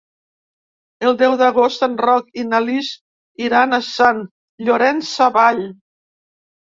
El deu d'agost en Roc i na Lis iran a Sant Llorenç Savall.